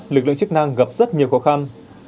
lực lượng chức năng gặp rất nhiều khó khăn